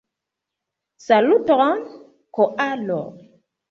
Saluton, koalo!